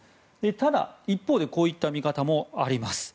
ただ、一方でこういう見方もあります。